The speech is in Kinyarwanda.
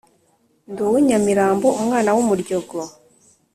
nd’uwi nyamirambo umwana w’umuryogo